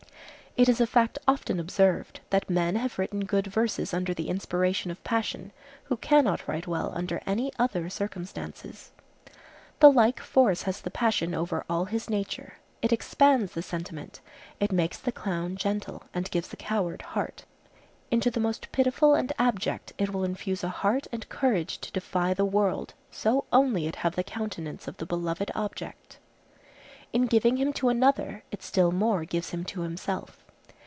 It is a fact often observed, that men have written good verses under the inspiration of passion, who cannot write well under any other circumstances. The like force has the passion over all his nature. It expands the sentiment; it makes the clown gentle and gives the coward heart. Into the most pitiful and abject it will infuse a heart and courage to defy the world, so only it have the countenance of the beloved object. In giving him to another it still more gives him to himself.